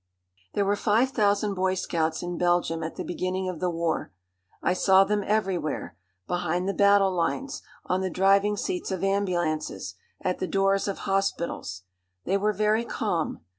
There were five thousand boy scouts in Belgium at the beginning of the war. I saw them everywhere behind the battle lines, on the driving seats of ambulances, at the doors of hospitals. They were very calm.